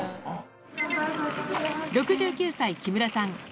６９歳木村さん